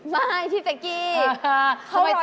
ไม่พี่เฟคกี้เขา๑๐๐ซอง